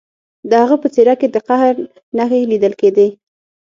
د هغه په څیره کې د قهر نښې لیدل کیدې